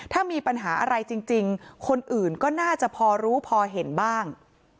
ถ้ามีปัญหาอะไรจริงคนอื่นก็น่าจะพอรู้พอเห็นบ้าง